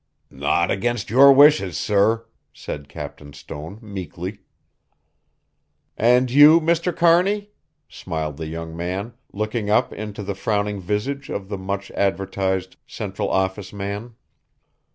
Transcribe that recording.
"Not against your wishes, sir," said Captain Stone, meekly. "And you, Mr. Kearney," smiled the young man, looking up into the frowning visage of the much advertised Central Office man.